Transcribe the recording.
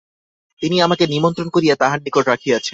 তিনি আমাকে নিমন্ত্রণ করিয়া তাঁহার নিকট রাখিয়াছেন।